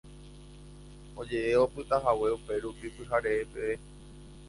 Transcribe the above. Oje'e opytahague upérupi pyhare peve